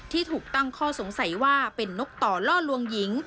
ที่ถูกตั้งข้อสงสัยว่าเป็นนกต่อล่อลวงหญิง